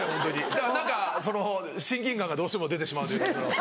だから何か親近感がどうしても出てしまうというところ。